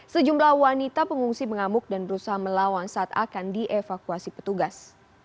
sejumlah wanita pengungsi mengamuk dan berusaha melawan saat akan dievakuasi petugas